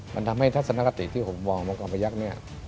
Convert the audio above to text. มันทำให้ทัศนคติที่ผมมองมังกรบัญญักษ์